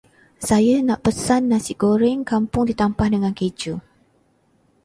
Saya nak pesan Nasi goreng kampung ditambah dengan keju.